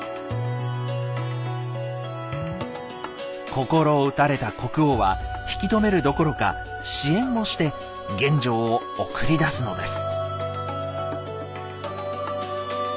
心を打たれた国王は引き止めるどころか支援をして玄奘を送り出すのです。